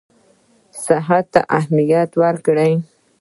صحت ته اهمیت ورکړي.